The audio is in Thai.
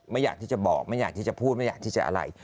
อยากที่จะบอกไม่อยากที่จะพูดไม่อยากที่จะอะไร